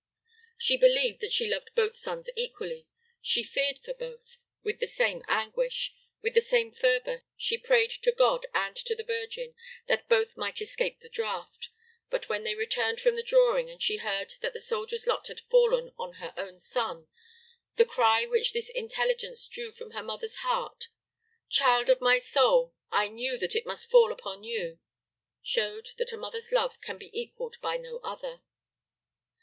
She believed that she loved both sons equally; she feared for both with the same anguish; with the same fervor she prayed to God and to the Virgin that both might escape the draft; but when they returned from the drawing and she learned that the soldier's lot had fallen on her own son, the cry which this intelligence drew from her mother's heart "Child of my soul, I knew that it must fall upon you!" showed that a mother's love can be equalled by no other.